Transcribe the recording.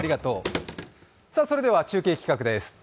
それでは中継企画です。